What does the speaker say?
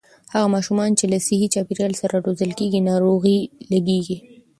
هغه ماشومان چې له صحي چاپېريال سره روزل کېږي، ناروغۍ لږېږي.